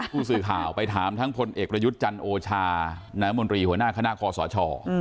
ผู้สื่อข่าวไปถามทั้งพลเอกประยุทธ์จันทร์โอชาน้ำมนตรีหัวหน้าคณะคอสช